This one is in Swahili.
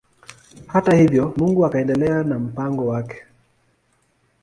Hata hivyo Mungu akaendelea na mpango wake.